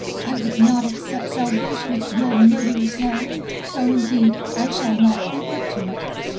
I would not accept salvation at your murderer's hands. Though, indeed, I shall not be put to it.